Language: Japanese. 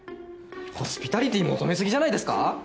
ホスピタリティー求め過ぎじゃないですか？